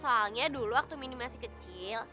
soalnya dulu waktu mini masih kecil